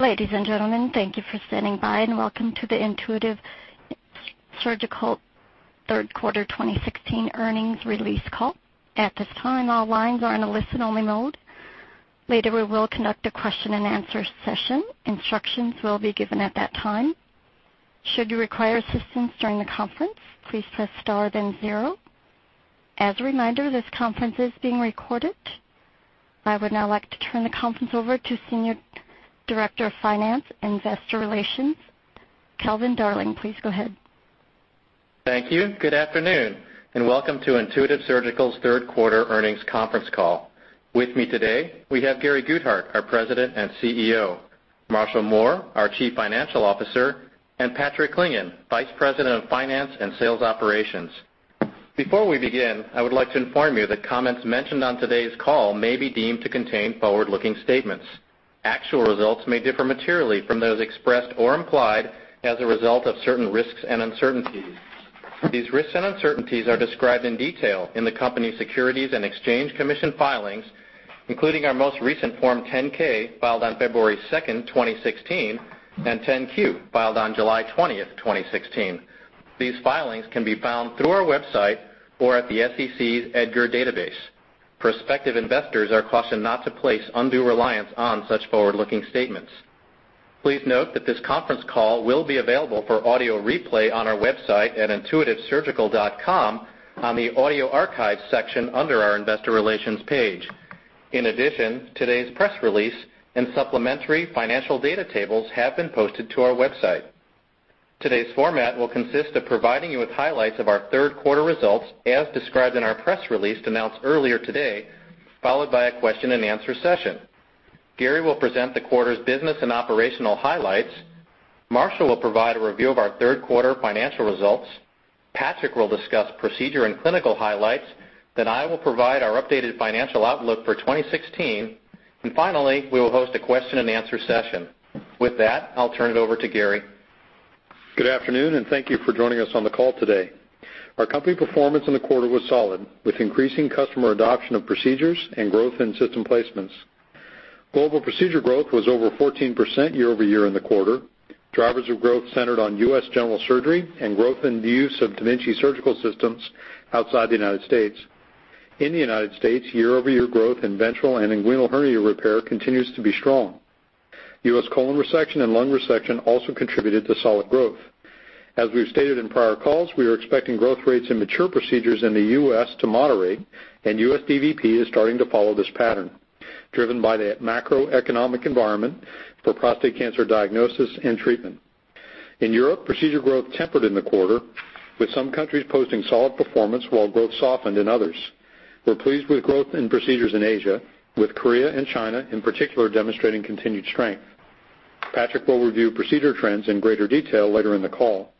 Ladies and gentlemen, thank you for standing by, and welcome to the Intuitive Surgical third quarter 2016 earnings release call. At this time, all lines are in a listen-only mode. Later, we will conduct a question-and-answer session. Instructions will be given at that time. Should you require assistance during the conference, please press star then zero. As a reminder, this conference is being recorded. I would now like to turn the conference over to Senior Director of Finance, Investor Relations, Calvin Darling. Please go ahead. Thank you. Good afternoon, welcome to Intuitive Surgical's third quarter earnings conference call. With me today, we have Gary Guthart, our President and CEO, Marshall Mohr, our Chief Financial Officer, and Patrick Clingan, Vice President of Finance and Sales Operations. Before we begin, I would like to inform you that comments mentioned on today's call may be deemed to contain forward-looking statements. Actual results may differ materially from those expressed or implied as a result of certain risks and uncertainties. These risks and uncertainties are described in detail in the company's Securities and Exchange Commission filings, including our most recent Form 10-K filed on February 2nd, 2016, and 10-Q, filed on July 20th, 2016. These filings can be found through our website or at the SEC's EDGAR database. Prospective investors are cautioned not to place undue reliance on such forward-looking statements. Please note that this conference call will be available for audio replay on our website at intuitivesurgical.com on the Audio Archives section under our Investor Relations page. Today's press release and supplementary financial data tables have been posted to our website. Today's format will consist of providing you with highlights of our third quarter results, as described in our press release announced earlier today, followed by a question-and-answer session. Gary will present the quarter's business and operational highlights. Marshall will provide a review of our third-quarter financial results. Patrick will discuss procedure and clinical highlights. I will provide our updated financial outlook for 2016. Finally, we will host a question-and-answer session. With that, I'll turn it over to Gary. Good afternoon, thank you for joining us on the call today. Our company performance in the quarter was solid, with increasing customer adoption of procedures and growth in system placements. Global procedure growth was over 14% year-over-year in the quarter. Drivers of growth centered on U.S. general surgery and growth in the use of da Vinci surgical systems outside the United States. In the United States, year-over-year growth in ventral and inguinal hernia repair continues to be strong. U.S. colon resection and lung resection also contributed to solid growth. As we've stated in prior calls, we are expecting growth rates in mature procedures in the U.S. to moderate, and U.S. DVP is starting to follow this pattern, driven by the macroeconomic environment for prostate cancer diagnosis and treatment. In Europe, procedure growth tempered in the quarter, with some countries posting solid performance while growth softened in others. We're pleased with growth in procedures in Asia, with Korea and China in particular demonstrating continued strength. Patrick will review procedure trends in greater detail later in the call.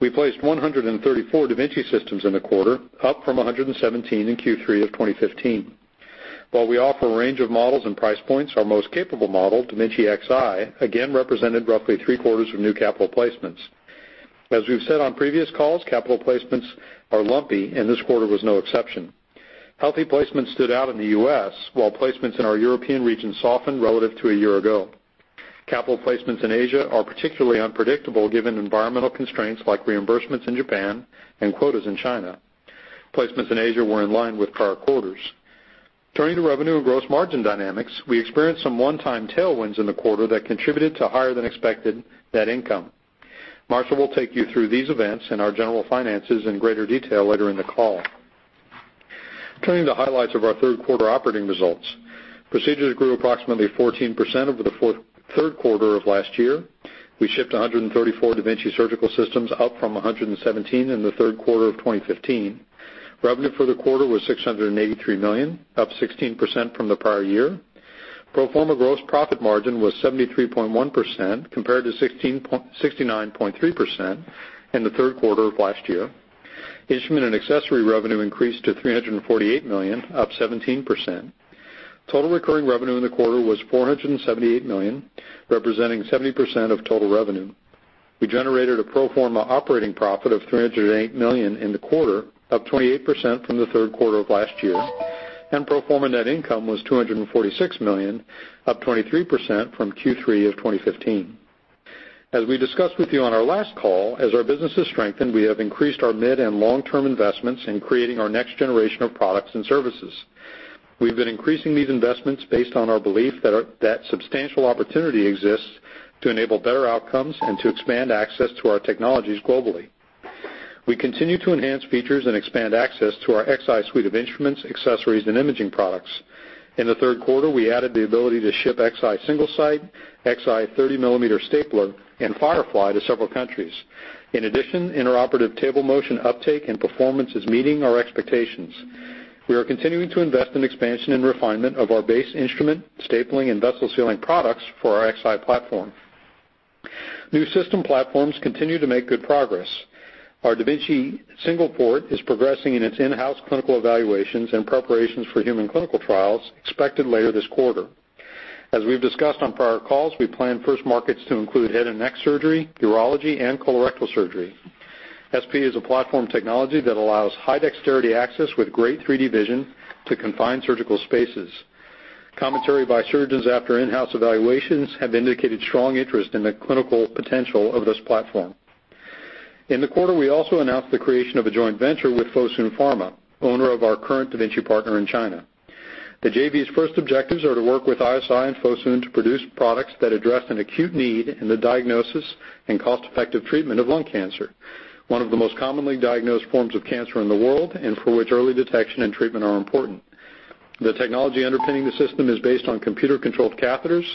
We placed 134 da Vinci systems in the quarter, up from 117 in Q3 of 2015. While we offer a range of models and price points, our most capable model, da Vinci Xi, again represented roughly three-quarters of new capital placements. As we've said on previous calls, capital placements are lumpy, and this quarter was no exception. Healthy placements stood out in the U.S., while placements in our European region softened relative to a year ago. Capital placements in Asia are particularly unpredictable given environmental constraints like reimbursements in Japan and quotas in China. Placements in Asia were in line with prior quarters. Turning to revenue and gross margin dynamics, we experienced some one-time tailwinds in the quarter that contributed to higher-than-expected net income. Marshall will take you through these events and our general finances in greater detail later in the call. Turning to highlights of our third quarter operating results. Procedures grew approximately 14% over the third quarter of last year. We shipped 134 da Vinci surgical systems, up from 117 in the third quarter of 2015. Revenue for the quarter was $683 million, up 16% from the prior year. Pro forma gross profit margin was 73.1%, compared to 69.3% in the third quarter of last year. Instrument and accessory revenue increased to $348 million, up 17%. Total recurring revenue in the quarter was $478 million, representing 70% of total revenue. We generated a pro forma operating profit of $308 million in the quarter, up 28% from the third quarter of last year, and pro forma net income was $246 million, up 23% from Q3 of 2015. As we discussed with you on our last call, as our business has strengthened, we have increased our mid and long-term investments in creating our next generation of products and services. We've been increasing these investments based on our belief that substantial opportunity exists to enable better outcomes and to expand access to our technologies globally. We continue to enhance features and expand access to our Xi suite of instruments, accessories, and imaging products. In the third quarter, we added the ability to ship Xi Single-Site, Xi 30-millimeter stapler, and Firefly to several countries. In addition, intraoperative table motion uptake and performance is meeting our expectations. We are continuing to invest in expansion and refinement of our base instrument, stapling, and vessel-sealing products for our Xi platform. New system platforms continue to make good progress. Our da Vinci Single Port is progressing in its in-house clinical evaluations and preparations for human clinical trials expected later this quarter. As we've discussed on prior calls, we plan first markets to include head and neck surgery, urology, and colorectal surgery. SP is a platform technology that allows high dexterity access with great 3D vision to confine surgical spaces. Commentary by surgeons after in-house evaluations have indicated strong interest in the clinical potential of this platform. In the quarter, we also announced the creation of a joint venture with Fosun Pharma, owner of our current da Vinci partner in China. The JV's first objectives are to work with ISI and Fosun to produce products that address an acute need in the diagnosis and cost-effective treatment of lung cancer, one of the most commonly diagnosed forms of cancer in the world, and for which early detection and treatment are important. The technology underpinning the system is based on computer-controlled catheters,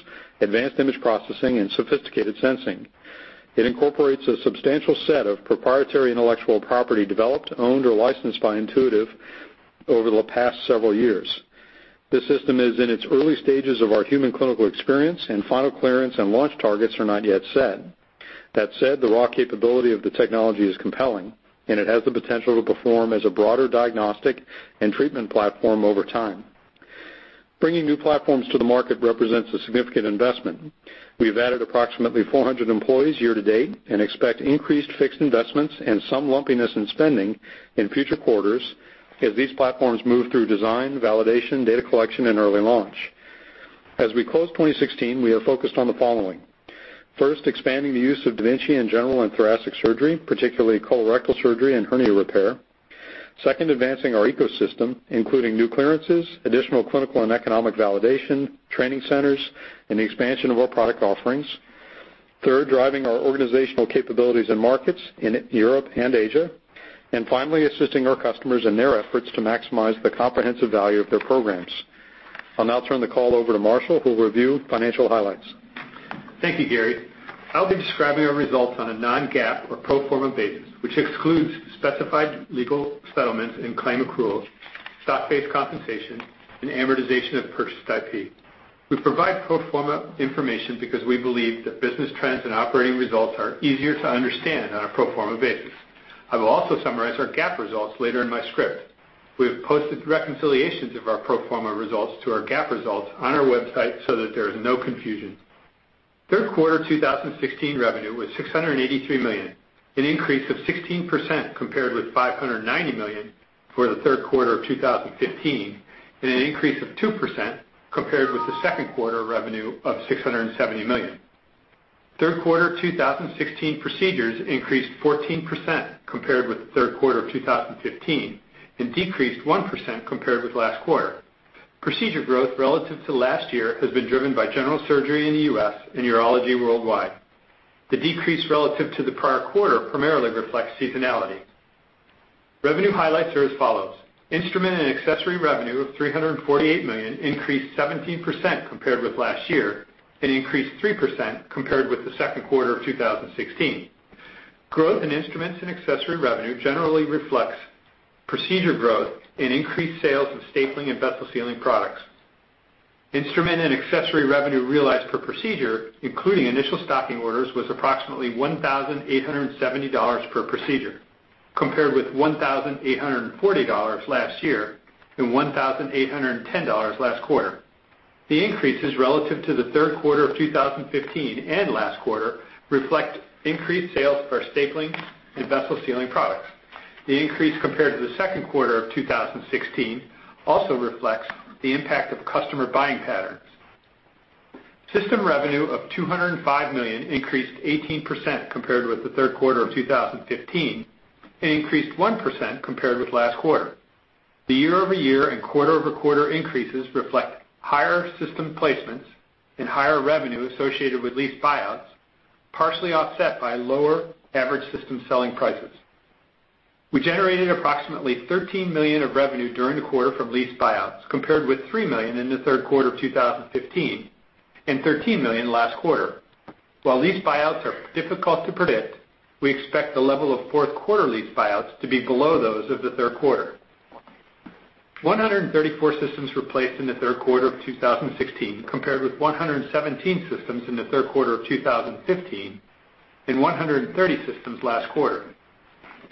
advanced image processing, and sophisticated sensing. It incorporates a substantial set of proprietary intellectual property developed, owned, or licensed by Intuitive over the past several years. This system is in its early stages of our human clinical experience, and final clearance and launch targets are not yet set. That said, the raw capability of the technology is compelling, and it has the potential to perform as a broader diagnostic and treatment platform over time. Bringing new platforms to the market represents a significant investment. We've added approximately 400 employees year-to-date and expect increased fixed investments and some lumpiness in spending in future quarters as these platforms move through design, validation, data collection, and early launch. As we close 2016, we are focused on the following. First, expanding the use of da Vinci in general and thoracic surgery, particularly colorectal surgery and hernia repair. Second, advancing our ecosystem, including new clearances, additional clinical and economic validation, training centers, and the expansion of our product offerings. Third, driving our organizational capabilities and markets in Europe and Asia. Finally, assisting our customers in their efforts to maximize the comprehensive value of their programs. I'll now turn the call over to Marshall, who will review financial highlights. Thank you, Gary. I'll be describing our results on a non-GAAP or pro forma basis, which excludes specified legal settlements and claim accruals, stock-based compensation, and amortization of purchased IP. We provide pro forma information because we believe that business trends and operating results are easier to understand on a pro forma basis. I will also summarize our GAAP results later in my script. We have posted reconciliations of our pro forma results to our GAAP results on our website so that there is no confusion. Third quarter 2016 revenue was $683 million, an increase of 16% compared with $590 million for the third quarter of 2015, and an increase of 2% compared with the second quarter revenue of $670 million. Third quarter 2016 procedures increased 14% compared with third quarter of 2015 and decreased 1% compared with last quarter. Procedure growth relative to last year has been driven by general surgery in the U.S. and urology worldwide. The decrease relative to the prior quarter primarily reflects seasonality. Revenue highlights are as follows. Instrument and accessory revenue of $348 million increased 17% compared with last year and increased 3% compared with the second quarter of 2016. Growth in instruments and accessory revenue generally reflects procedure growth and increased sales of stapling and vessel sealing products. Instrument and accessory revenue realized per procedure, including initial stocking orders, was approximately $1,870 per procedure, compared with $1,840 last year and $1,810 last quarter. The increases relative to the third quarter of 2015 and last quarter reflect increased sales for stapling and vessel sealing products. The increase compared to the second quarter of 2016 also reflects the impact of customer buying patterns. System revenue of $205 million increased 18% compared with the third quarter of 2015, increased 1% compared with last quarter. The year-over-year and quarter-over-quarter increases reflect higher system placements and higher revenue associated with lease buyouts, partially offset by lower average system selling prices. We generated approximately $13 million of revenue during the quarter from lease buyouts, compared with $3 million in the third quarter of 2015 and $13 million last quarter. While lease buyouts are difficult to predict, we expect the level of fourth quarter lease buyouts to be below those of the third quarter. 134 systems were placed in the third quarter of 2016, compared with 117 systems in the third quarter of 2015 and 130 systems last quarter.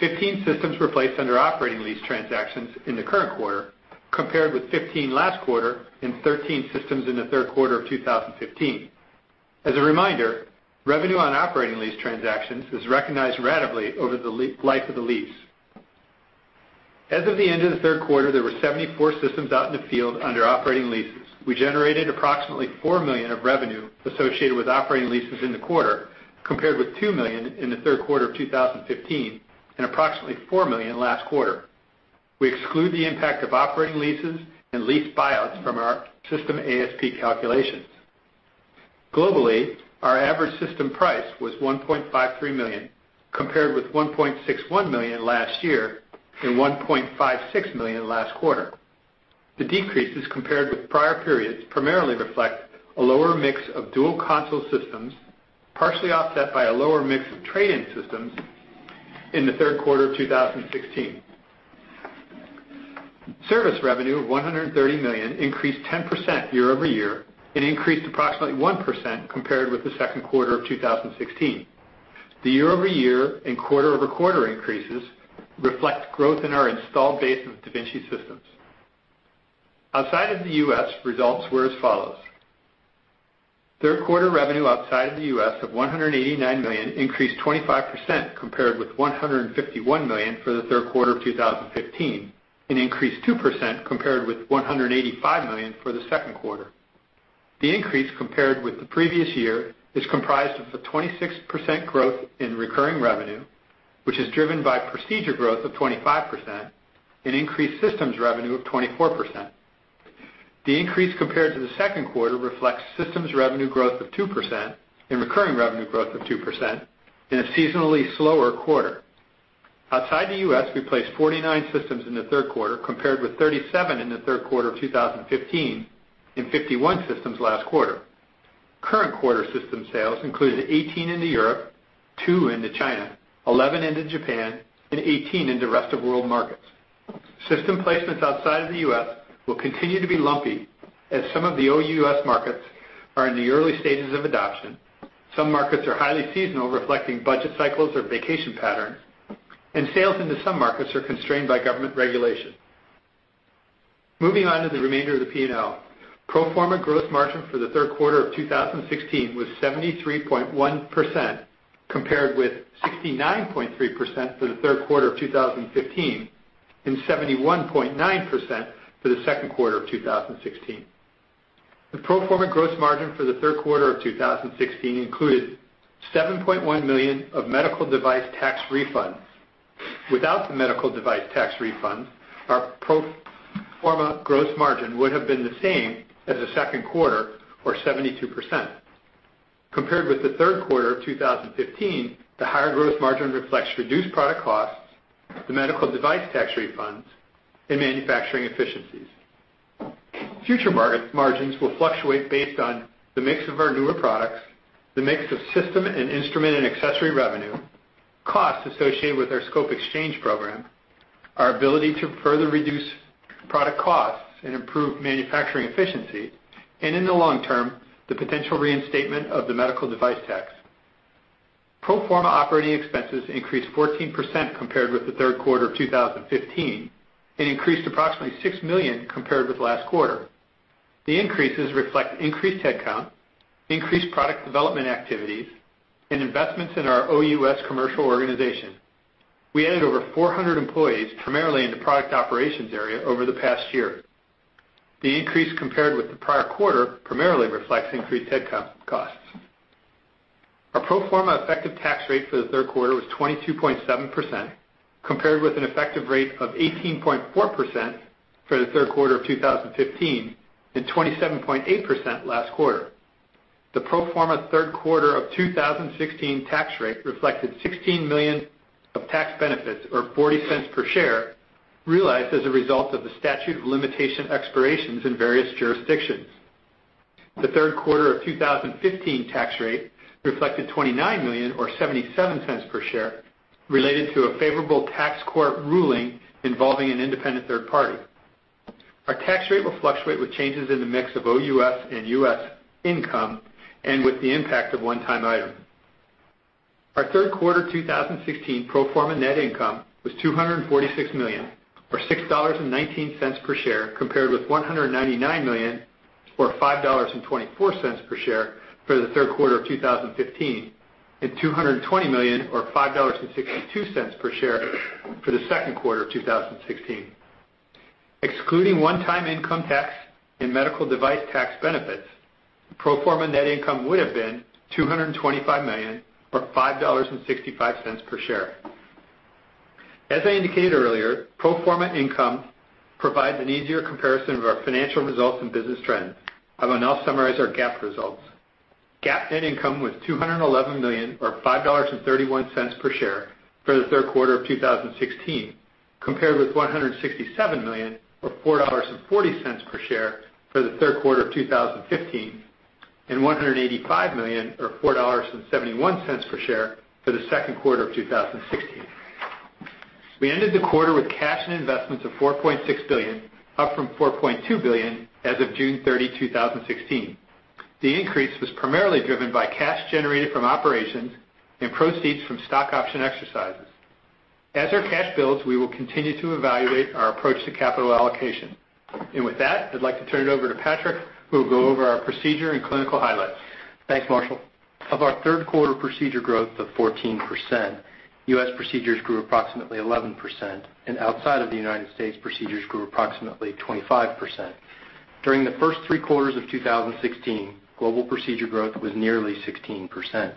15 systems were placed under operating lease transactions in the current quarter, compared with 15 last quarter and 13 systems in the third quarter of 2015. As a reminder, revenue on operating lease transactions is recognized ratably over the life of the lease. As of the end of the third quarter, there were 74 systems out in the field under operating leases. We generated approximately $4 million of revenue associated with operating leases in the quarter, compared with $2 million in the third quarter of 2015 and approximately $4 million last quarter. We exclude the impact of operating leases and lease buyouts from our system ASP calculations. Globally, our average system price was $1.53 million, compared with $1.61 million last year and $1.56 million last quarter. The decreases compared with prior periods primarily reflect a lower mix of dual console systems, partially offset by a lower mix of trade-in systems in the third quarter of 2016. Service revenue of $130 million increased 10% year-over-year and increased approximately 1% compared with the second quarter of 2016. The year-over-year and quarter-over-quarter increases reflect growth in our installed base of da Vinci systems. Outside of the U.S., results were as follows. Third quarter revenue outside of the U.S. of $189 million increased 25%, compared with $151 million for the third quarter of 2015, increased 2% compared with $185 million for the second quarter. The increase compared with the previous year is comprised of a 26% growth in recurring revenue, which is driven by procedure growth of 25% and increased systems revenue of 24%. The increase compared to the second quarter reflects systems revenue growth of 2% and recurring revenue growth of 2% in a seasonally slower quarter. Outside the U.S., we placed 49 systems in the third quarter, compared with 37 in the third quarter of 2015 and 51 systems last quarter. Current quarter system sales included 18 into Europe, two into China, 11 into Japan, 18 into rest of world markets. System placements outside of the U.S. will continue to be lumpy as some of the OUS markets are in the early stages of adoption. Some markets are highly seasonal, reflecting budget cycles or vacation patterns. Sales into some markets are constrained by government regulation. Moving on to the remainder of the P&L. Pro forma gross margin for the third quarter of 2016 was 73.1%, compared with 69.3% for the third quarter of 2015 and 71.9% for the second quarter of 2016. The pro forma gross margin for the third quarter of 2016 included $7.1 million of medical device tax refunds. Without the medical device tax refunds, our pro forma gross margin would have been the same as the second quarter, or 72%. Compared with the third quarter of 2015, the higher growth margin reflects reduced product costs, the medical device tax refunds, and manufacturing efficiencies. Future margins will fluctuate based on the mix of our newer products, the mix of system and instrument and accessory revenue, costs associated with our scope exchange program, our ability to further reduce product costs and improve manufacturing efficiency, and in the long term, the potential reinstatement of the medical device tax. Pro forma operating expenses increased 14% compared with the third quarter of 2015 and increased approximately $6 million compared with last quarter. The increases reflect increased headcount, increased product development activities, and investments in our OUS commercial organization. We added over 400 employees, primarily in the product operations area, over the past year. The increase compared with the prior quarter primarily reflects increased head count costs. Our pro forma effective tax rate for the third quarter was 22.7%, compared with an effective rate of 18.4% for the third quarter of 2015 and 27.8% last quarter. The pro forma third quarter of 2016 tax rate reflected $16 million of tax benefits, or $0.40 per share, realized as a result of the statute of limitation expirations in various jurisdictions. The third quarter of 2015 tax rate reflected $29 million, or $0.77 per share, related to a favorable tax court ruling involving an independent third party. Our tax rate will fluctuate with changes in the mix of OUS and U.S. income and with the impact of one-time items. Our third quarter 2016 pro forma net income was $246 million, or $6.19 per share, compared with $199 million, or $5.24 per share for the third quarter of 2015 and $220 million or $5.62 per share for the second quarter of 2016. Excluding one-time income tax and medical device tax benefits, pro forma net income would have been $225 million or $5.65 per share. As I indicated earlier, pro forma income provides an easier comparison of our financial results and business trends. I will now summarize our GAAP results. GAAP net income was $211 million, or $5.31 per share for the third quarter of 2016, compared with $167 million, or $4.40 per share for the third quarter of 2015 and $185 million or $4.71 per share for the second quarter of 2016. We ended the quarter with cash and investments of $4.6 billion, up from $4.2 billion as of June 30, 2016. The increase was primarily driven by cash generated from operations and proceeds from stock option exercises. With that, I'd like to turn it over to Patrick, who will go over our procedure and clinical highlights. Thanks, Marshall. Of our third quarter procedure growth of 14%, U.S. procedures grew approximately 11%, and outside of the U.S., procedures grew approximately 25%. During the first three quarters of 2016, global procedure growth was nearly 16%.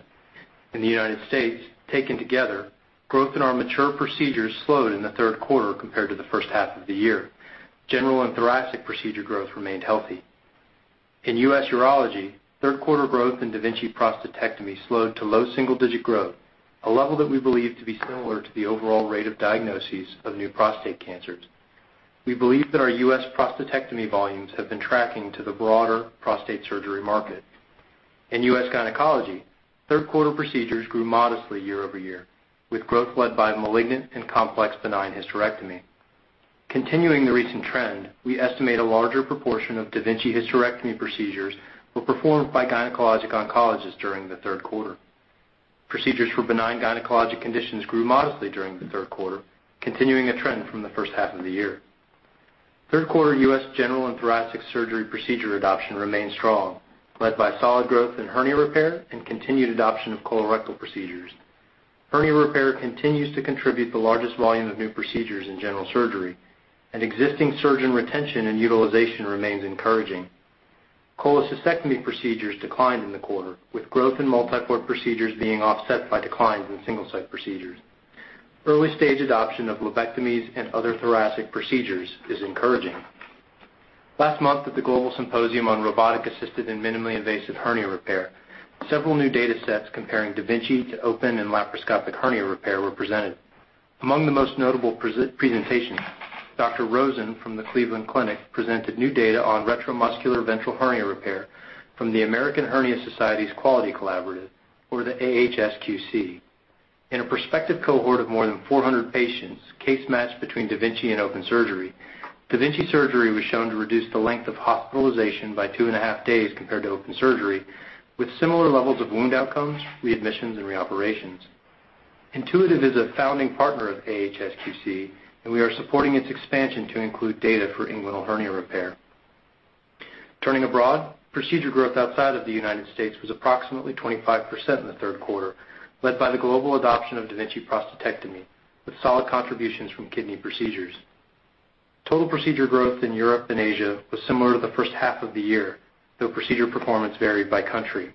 In the U.S., taken together, growth in our mature procedures slowed in the third quarter compared to the first half of the year. General and thoracic procedure growth remained healthy. In U.S. urology, third quarter growth in da Vinci prostatectomy slowed to low single digit growth, a level that we believe to be similar to the overall rate of diagnosis of new prostate cancers. We believe that our U.S. prostatectomy volumes have been tracking to the broader prostate surgery market. In U.S. gynecology, third quarter procedures grew modestly year-over-year, with growth led by malignant and complex benign hysterectomy. Continuing the recent trend, we estimate a larger proportion of da Vinci hysterectomy procedures were performed by gynecologic oncologists during the third quarter. Procedures for benign gynecologic conditions grew modestly during the third quarter, continuing a trend from the first half of the year. Third quarter U.S. general and thoracic surgery procedure adoption remained strong, led by solid growth in hernia repair and continued adoption of colorectal procedures. Hernia repair continues to contribute the largest volume of new procedures in general surgery, and existing surgeon retention and utilization remains encouraging. Cholecystectomy procedures declined in the quarter, with growth in multi-port procedures being offset by declines in single-site procedures. Early-stage adoption of lobectomies and other thoracic procedures is encouraging. Last month at the Global Symposium on Robotic-Assisted and Minimally Invasive Hernia Repair, several new data sets comparing da Vinci to open and laparoscopic hernia repair were presented. Among the most notable presentations, Dr. Rosen from the Cleveland Clinic presented new data on retromuscular ventral hernia repair from the American Hernia Society's Quality Collaborative, or the AHSQC. In a prospective cohort of more than 400 patients, case-matched between da Vinci and open surgery, da Vinci surgery was shown to reduce the length of hospitalization by two and a half days compared to open surgery, with similar levels of wound outcomes, readmissions, and reoperations. Intuitive is a founding partner of AHSQC, and we are supporting its expansion to include data for inguinal hernia repair. Turning abroad, procedure growth outside of the U.S. was approximately 25% in the third quarter, led by the global adoption of da Vinci prostatectomy, with solid contributions from kidney procedures. Total procedure growth in Europe and Asia was similar to the first half of the year, though procedure performance varied by country.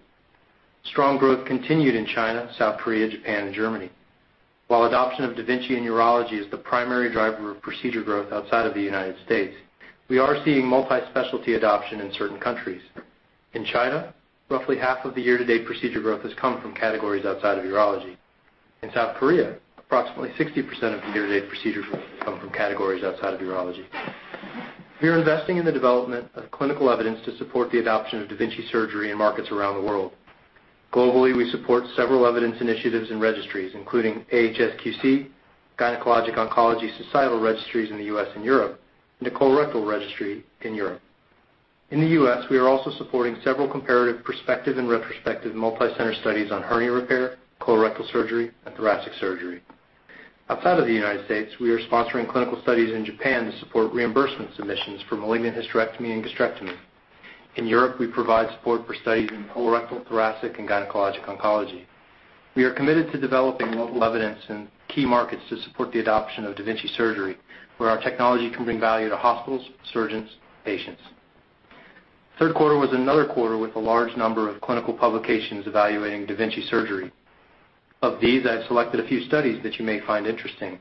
Strong growth continued in China, South Korea, Japan, and Germany. While adoption of da Vinci in urology is the primary driver of procedure growth outside of the U.S., we are seeing multi-specialty adoption in certain countries. In China, roughly half of the year-to-date procedure growth has come from categories outside of urology. In South Korea, approximately 60% of the year-to-date procedure growth has come from categories outside of urology. We are investing in the development of clinical evidence to support the adoption of da Vinci surgery in markets around the world. Globally, we support several evidence initiatives and registries, including AHSQC, gynecologic oncology societal registries in the U.S. and Europe, and a colorectal registry in Europe. In the U.S., we are also supporting several comparative prospective and retrospective multi-center studies on hernia repair, colorectal surgery, and thoracic surgery. Outside of the U.S., we are sponsoring clinical studies in Japan to support reimbursement submissions for malignant hysterectomy and gastrectomy. In Europe, we provide support for studies in colorectal, thoracic, and gynecologic oncology. We are committed to developing local evidence in key markets to support the adoption of da Vinci surgery, where our technology can bring value to hospitals, surgeons, and patients. Third quarter was another quarter with a large number of clinical publications evaluating da Vinci surgery. Of these, I have selected a few studies that you may find interesting.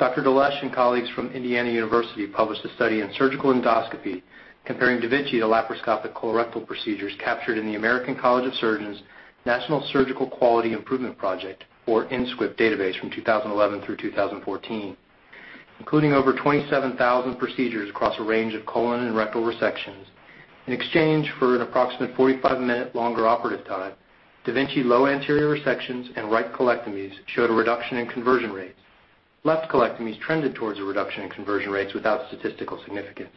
Dr. D'Alesio and colleagues from Indiana University published a study in Surgical Endoscopy comparing da Vinci to laparoscopic colorectal procedures captured in the American College of Surgeons' National Surgical Quality Improvement Project, or NSQIP database from 2011 through 2014. Including over 27,000 procedures across a range of colon and rectal resections, in exchange for an approximate 45-minute longer operative time, da Vinci low anterior resections and right colectomies showed a reduction in conversion rates. Left colectomies trended towards a reduction in conversion rates without statistical significance.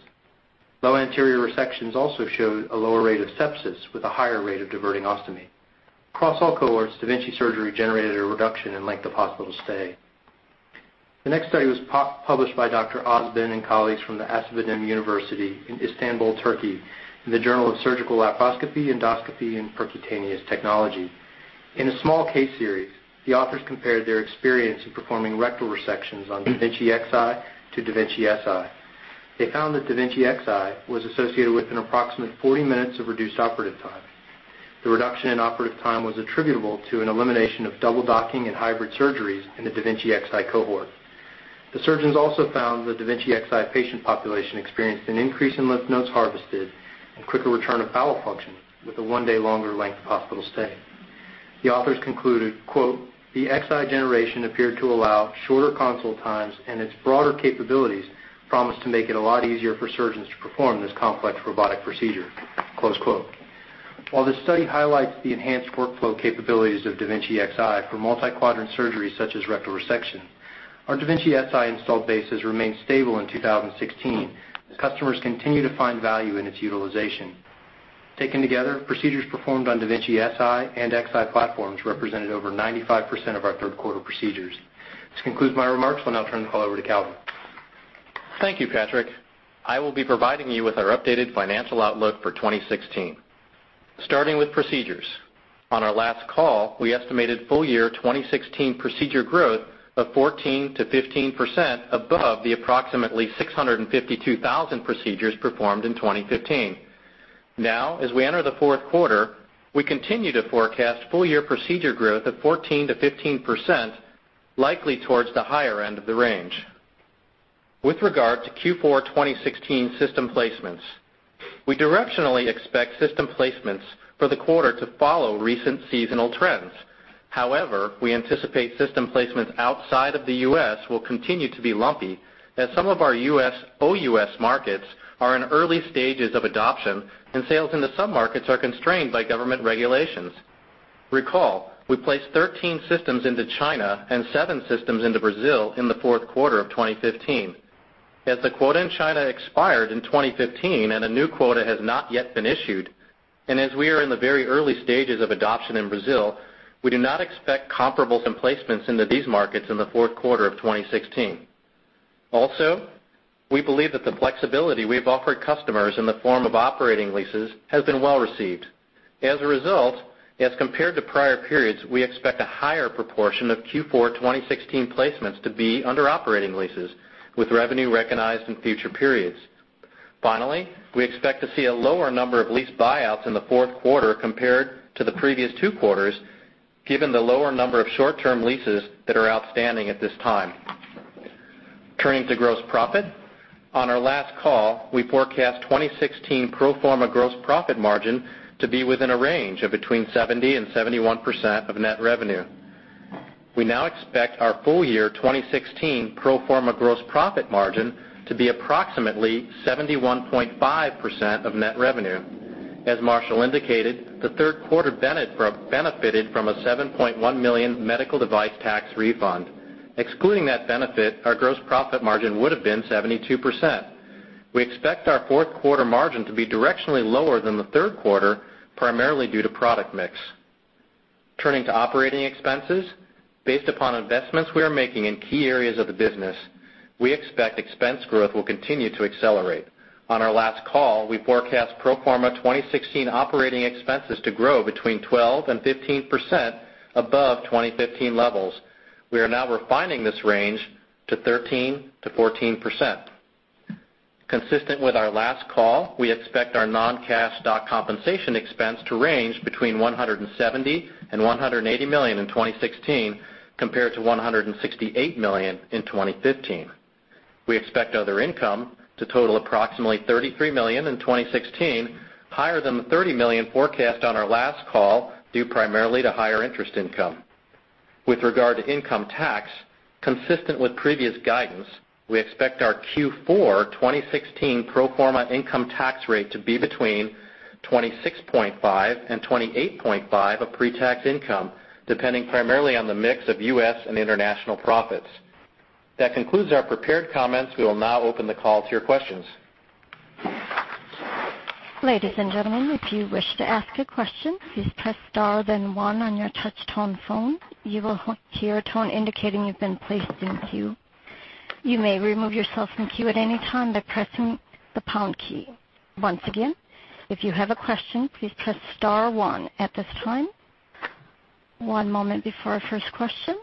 Low anterior resections also showed a lower rate of sepsis with a higher rate of diverting ostomy. Across all cohorts, da Vinci surgery generated a reduction in length of hospital stay. The next study was published by Dr. Ozben and colleagues from Acıbadem University in Istanbul, Turkey in the Journal of Surgical Laparoscopy, Endoscopy & Percutaneous Techniques. In a small case series, the authors compared their experience in performing rectal resections on da Vinci Xi to da Vinci Si. They found that da Vinci Xi was associated with an approximate 40 minutes of reduced operative time. The reduction in operative time was attributable to an elimination of double docking and hybrid surgeries in the da Vinci Xi cohort. The surgeons also found the da Vinci Xi patient population experienced an increase in lymph nodes harvested and quicker return of bowel function with a one-day longer length of hospital stay. The authors concluded, quote, "The Xi generation appeared to allow shorter console times, and its broader capabilities promise to make it a lot easier for surgeons to perform this complex robotic procedure." Close quote. While this study highlights the enhanced workflow capabilities of da Vinci Xi for multi-quadrant surgeries such as rectal resection, our da Vinci Si installed base has remained stable in 2016 as customers continue to find value in its utilization. Taken together, procedures performed on da Vinci Si and Xi platforms represented over 95% of our third quarter procedures. This concludes my remarks. Will now turn the call over to Calvin. Thank you, Patrick. I will be providing you with our updated financial outlook for 2016. Starting with procedures, on our last call, we estimated full year 2016 procedure growth of 14%-15% above the approximately 652,000 procedures performed in 2015. As we enter the fourth quarter, we continue to forecast full year procedure growth of 14%-15%, likely towards the higher end of the range. With regard to Q4 2016 system placements, we directionally expect system placements for the quarter to follow recent seasonal trends. However, we anticipate system placements outside of the U.S. will continue to be lumpy as some of our OUS markets are in early stages of adoption and sales in the sub-markets are constrained by government regulations. Recall, we placed 13 systems into China and seven systems into Brazil in the fourth quarter of 2015. As the quota in China expired in 2015 and a new quota has not yet been issued. As we are in the very early stages of adoption in Brazil, we do not expect comparables and placements into these markets in the fourth quarter of 2016. Also, we believe that the flexibility we've offered customers in the form of operating leases has been well-received. As a result, as compared to prior periods, we expect a higher proportion of Q4 2016 placements to be under operating leases, with revenue recognized in future periods. Finally, we expect to see a lower number of lease buyouts in the fourth quarter compared to the previous two quarters, given the lower number of short-term leases that are outstanding at this time. Turning to gross profit. On our last call, we forecast 2016 pro forma gross profit margin to be within a range of between 70% and 71% of net revenue. We now expect our full year 2016 pro forma gross profit margin to be approximately 71.5% of net revenue. As Marshall indicated, the third quarter benefited from a $7.1 million medical device tax refund. Excluding that benefit, our gross profit margin would've been 72%. We expect our fourth quarter margin to be directionally lower than the third quarter, primarily due to product mix. Turning to operating expenses. Based upon investments we are making in key areas of the business, we expect expense growth will continue to accelerate. On our last call, we forecast pro forma 2016 operating expenses to grow between 12% and 15% above 2015 levels. We are now refining this range to 13%-14%. Consistent with our last call, we expect our non-cash stock compensation expense to range between $170 million and $180 million in 2016, compared to $168 million in 2015. We expect other income to total approximately $33 million in 2016, higher than the $30 million forecast on our last call, due primarily to higher interest income. With regard to income tax, consistent with previous guidance, we expect our Q4 2016 pro forma income tax rate to be between 26.5% and 28.5% of pre-tax income, depending primarily on the mix of U.S. and international profits. That concludes our prepared comments. We will now open the call to your questions. Ladies and gentlemen, if you wish to ask a question, please press star then one on your touch tone phone. You will hear a tone indicating you've been placed in queue. You may remove yourself from queue at any time by pressing the pound key. Once again, if you have a question, please press star one at this time. One moment before our first question.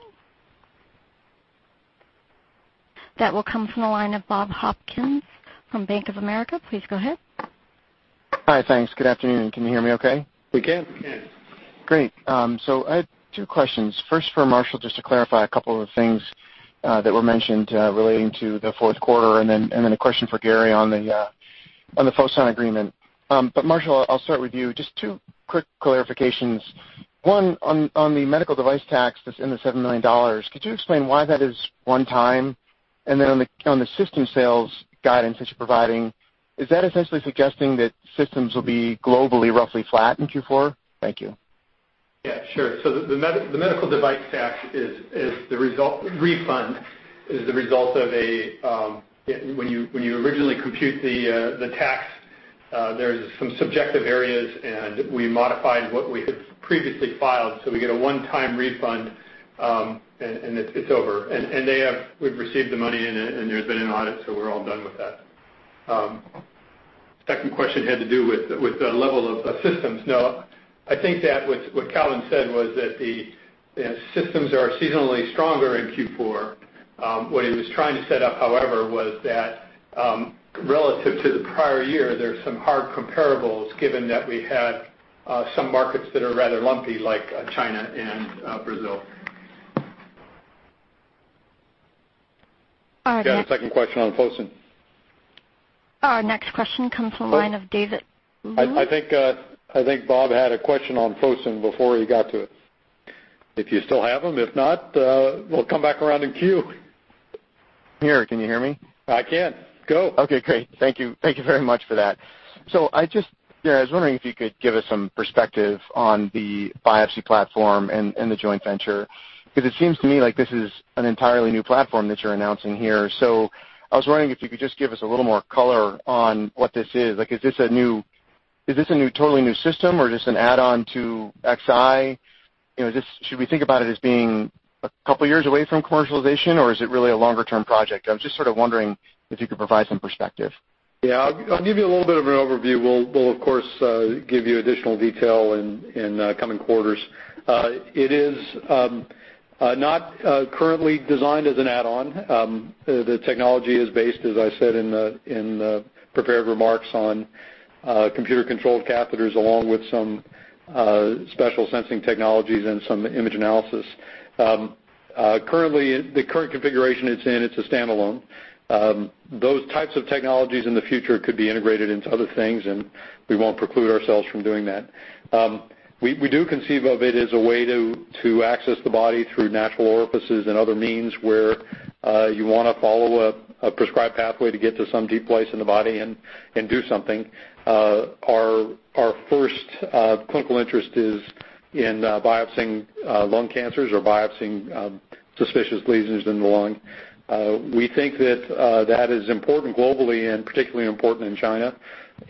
That will come from the line of Bob Hopkins from Bank of America. Please go ahead. Hi, thanks. Good afternoon. Can you hear me okay? We can. I have two questions. First, for Marshall, just to clarify a couple of things that were mentioned relating to the fourth quarter, and then a question for Gary on the Fosun agreement. Marshall, I'll start with you. Just two quick clarifications. One, on the medical device tax that's in the $7 million, could you explain why that is one time? And then on the system sales guidance that you're providing, is that essentially suggesting that systems will be globally roughly flat in Q4? Thank you. Yeah, sure. The medical device tax refund is the result of when you originally compute the tax, there's some subjective areas, and we modified what we had previously filed, so we get a one-time refund, and it's over. We've received the money, and there's been an audit, so we're all done with that. Second question had to do with the level of systems. No, I think that what Calvin said was that the systems are seasonally stronger in Q4. What he was trying to set up, however, was that, relative to the prior year, there's some hard comparables given that we had some markets that are rather lumpy, like China and Brazil. All right, next- He had a second question on Fosun. Our next question comes from the line of David- I think Bob had a question on Fosun before he got to it, if you still have him. If not, we'll come back around in queue. I'm here. Can you hear me? I can. Go. Okay, great. Thank you. Thank you very much for that. I was wondering if you could give us some perspective on the biopsy platform and the joint venture, because it seems to me like this is an entirely new platform that you're announcing here. I was wondering if you could just give us a little more color on what this is. Is this a totally new system, or just an add-on to Xi? Should we think about it as being a couple of years away from commercialization, or is it really a longer-term project? I was just sort of wondering if you could provide some perspective. Yeah. I'll give you a little bit of an overview. We'll, of course, give you additional detail in coming quarters. It is not currently designed as an add-on. The technology is based, as I said in the prepared remarks, on computer-controlled catheters, along with some special sensing technologies and some image analysis. The current configuration it's in, it's a standalone. Those types of technologies in the future could be integrated into other things, and we won't preclude ourselves from doing that. We do conceive of it as a way to access the body through natural orifices and other means where you want to follow a prescribed pathway to get to some deep place in the body and do something. Our first clinical interest is In biopsying lung cancers or biopsying suspicious lesions in the lung. We think that is important globally and particularly important in China.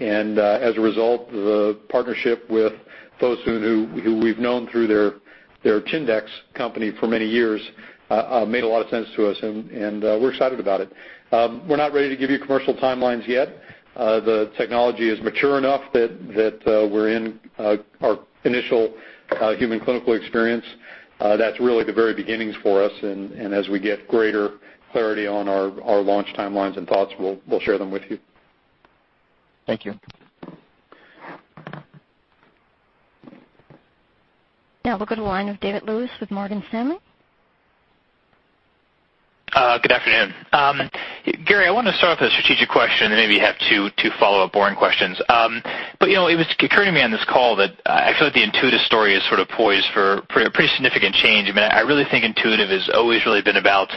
As a result, the partnership with those who we've known through their Tyndall company for many years, made a lot of sense to us, and we're excited about it. We're not ready to give you commercial timelines yet. The technology is mature enough that we're in our initial human clinical experience. That's really the very beginnings for us, and as we get greater clarity on our launch timelines and thoughts, we'll share them with you. Thank you. Now we'll go to the line of David Lewis with Morgan Stanley. Good afternoon. Gary, I want to start with a strategic question, then maybe have two follow-up boring questions. It was occurring to me on this call that I feel like the Intuitive story is sort of poised for a pretty significant change. I really think Intuitive has always really been about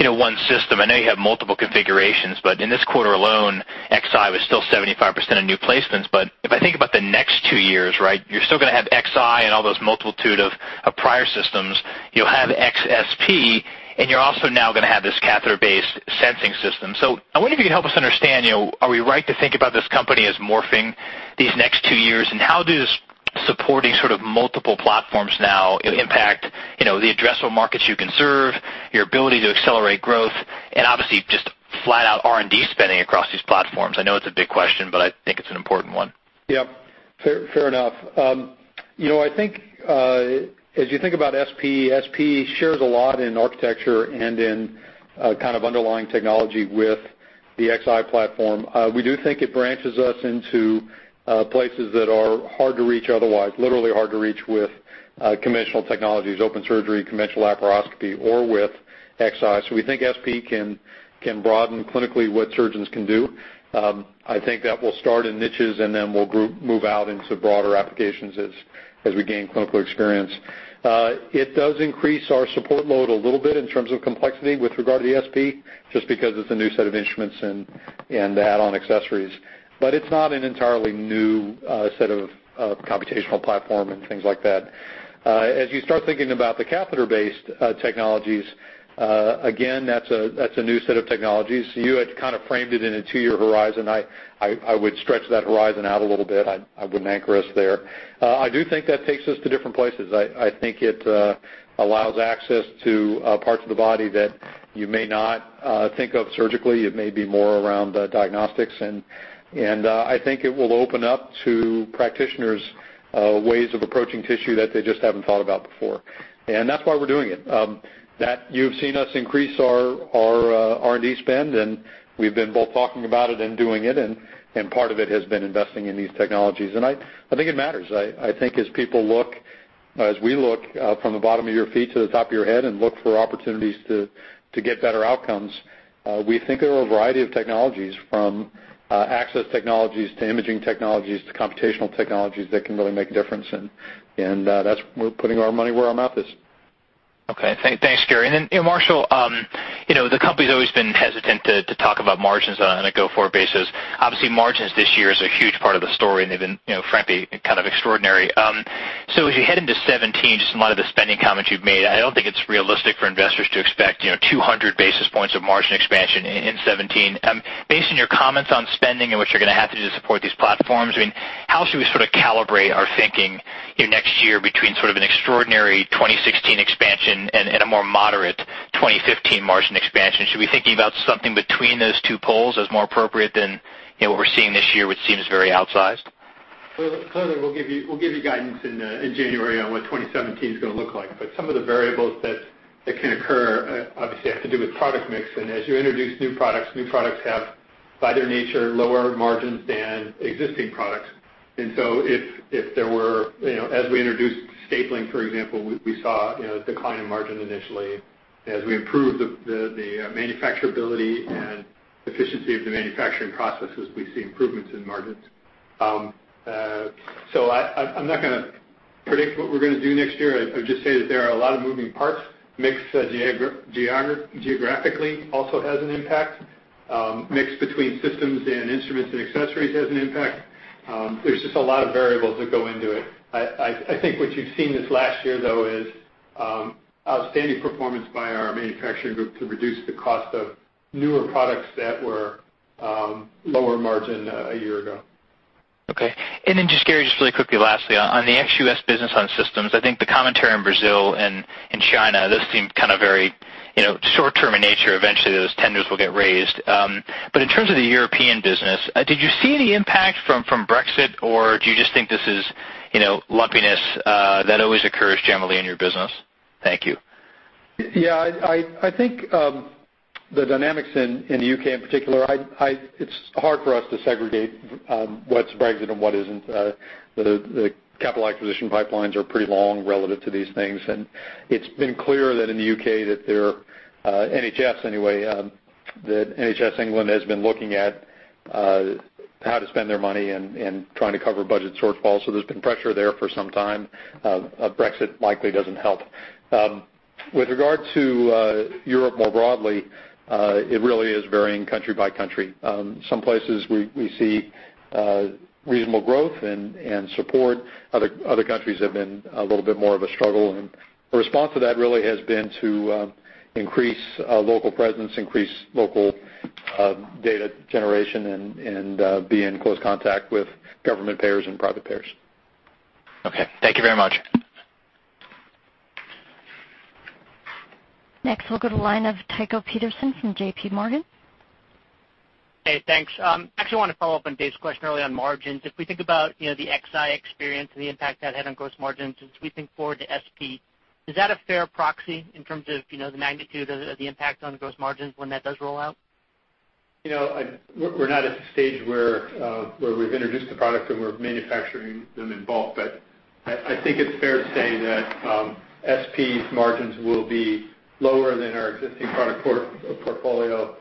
one system. I know you have multiple configurations, but in this quarter alone, Xi was still 75% of new placements. If I think about the next two years, you're still going to have Xi and all those multitude of prior systems. You'll have SP, and you're also now going to have this catheter-based sensing system. I wonder if you could help us understand, are we right to think about this company as morphing these next two years, and how does supporting sort of multiple platforms now impact the addressable markets you can serve, your ability to accelerate growth, and obviously, just flat out R&D spending across these platforms? I know it's a big question, but I think it's an important one. Yep. Fair enough. I think as you think about SP shares a lot in architecture and in kind of underlying technology with the Xi platform. We do think it branches us into places that are hard to reach otherwise, literally hard to reach with conventional technologies, open surgery, conventional laparoscopy, or with Xi. We think SP can broaden clinically what surgeons can do. I think that will start in niches, and then we'll move out into broader applications as we gain clinical experience. It does increase our support load a little bit in terms of complexity with regard to the SP, just because it's a new set of instruments and add-on accessories. It's not an entirely new set of computational platform and things like that. As you start thinking about the catheter-based technologies, again, that's a new set of technologies. You had kind of framed it in a two-year horizon. I would stretch that horizon out a little bit. I wouldn't anchor us there. I do think that takes us to different places. I think it allows access to parts of the body that you may not think of surgically. It may be more around diagnostics, and I think it will open up to practitioners ways of approaching tissue that they just haven't thought about before. That's why we're doing it. You've seen us increase our R&D spend, and we've been both talking about it and doing it, and part of it has been investing in these technologies. I think it matters. I think as we look from the bottom of your feet to the top of your head and look for opportunities to get better outcomes, we think there are a variety of technologies, from access technologies to imaging technologies to computational technologies that can really make a difference, and that's where putting our money where our mouth is. Okay, thanks, Gary. Marshall, the company's always been hesitant to talk about margins on a go-forward basis. Obviously, margins this year is a huge part of the story, and they've been, frankly, kind of extraordinary. As you head into 2017, just in light of the spending comments you've made, I don't think it's realistic for investors to expect 200 basis points of margin expansion in 2017. Based on your comments on spending and what you're going to have to do to support these platforms, how should we sort of calibrate our thinking next year between sort of an extraordinary 2016 expansion and a more moderate 2015 margin expansion? Should we be thinking about something between those two poles as more appropriate than what we're seeing this year, which seems very outsized? David Lewis, we'll give you guidance in January on what 2017 is going to look like. Some of the variables that can occur obviously have to do with product mix. As you introduce new products, new products have, by their nature, lower margins than existing products. As we introduced stapling, for example, we saw a decline in margin initially. As we improved the manufacturability and efficiency of the manufacturing processes, we see improvements in margins. I'm not going to predict what we're going to do next year. I would just say that there are a lot of moving parts. Mix geographically also has an impact. Mix between systems and instruments and accessories has an impact. There's just a lot of variables that go into it. I think what you've seen this last year, though, is outstanding performance by our manufacturing group to reduce the cost of newer products that were lower margin a year ago. Okay. Gary, just really quickly, lastly, on the ex-U.S. business on systems, I think the commentary on Brazil and China, those seem kind of very short-term in nature. Eventually, those tenders will get raised. In terms of the European business, did you see any impact from Brexit, or do you just think this is lumpiness that always occurs generally in your business? Thank you. I think the dynamics in the U.K. in particular, it's hard for us to segregate what's Brexit and what isn't. The capital acquisition pipelines are pretty long relative to these things, and it's been clear that in the U.K., that their NHS anyway, that NHS England has been looking at how to spend their money and trying to cover budget shortfalls, so there's been pressure there for some time. Brexit likely doesn't help. With regard to Europe more broadly, it really is varying country by country. Some places we see reasonable growth and support. Other countries have been a little bit more of a struggle, the response to that really has been to increase local presence, increase local data generation, and be in close contact with government payers and private payers. Okay. Thank you very much. We'll go to the line of Tycho Peterson from JPMorgan. Hey, thanks. Actually, I want to follow up on David's question earlier on margins. If we think about the Xi experience and the impact that had on gross margins, as we think forward to SP, is that a fair proxy in terms of the magnitude of the impact on the gross margins when that does roll out? We're not at the stage where we've introduced the product and we're manufacturing them in bulk. I think it's fair to say that SP's margins will be lower than our existing product portfolio,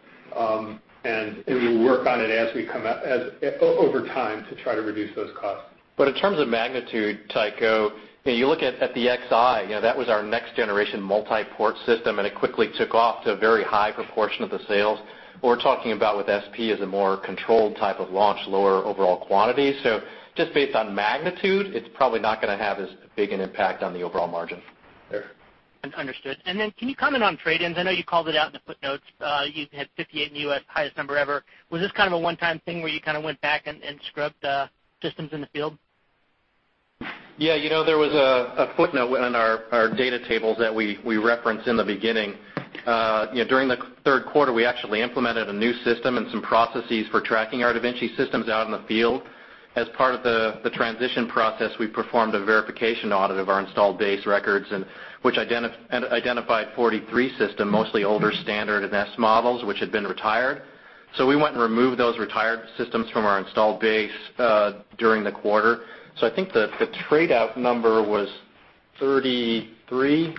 and we will work on it over time to try to reduce those costs. In terms of magnitude, Tycho, you look at the Xi, that was our next-generation multi-port system. It quickly took off to a very high proportion of the sales. What we're talking about with SP is a more controlled type of launch, lower overall quantity. Just based on magnitude, it's probably not going to have as big an impact on the overall margin there. Understood. Can you comment on trade-ins? I know you called it out in the footnotes. You had 58 in the U.S., highest number ever. Was this kind of a one-time thing where you kind of went back and scrubbed systems in the field? Yeah. There was a footnote in our data tables that we referenced in the beginning. During the third quarter, we actually implemented a new system and some processes for tracking our da Vinci systems out in the field. As part of the transition process, we performed a verification audit of our installed base records, which identified 43 systems, mostly older standard and S models, which had been retired. We went and removed those retired systems from our installed base during the quarter. I think the trade-out number was 33.